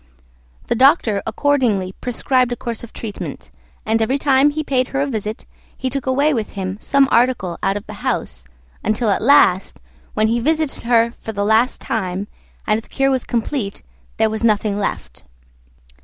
The Doctor accordingly prescribed a course of treatment, and every time he paid her a visit he took away with him some article out of the house, until at last, when he visited her for the last time, and the cure was complete, there was nothing left.